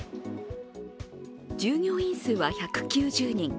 従業員数は１９０人。